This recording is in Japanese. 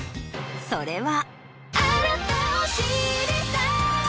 それは。